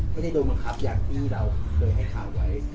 ไม่ได้โดนบังคับอย่างที่เราเคยให้ข่าวไว้